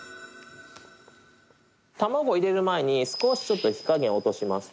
卵を入れる前に少しちょっと火加減を落とします。